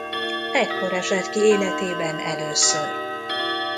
Ekkor esett ki életében először.